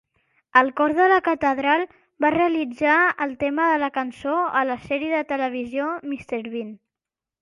El cor de la catedral va realitzar el tema de la cançó a la sèrie de televisió "Mr. Bean".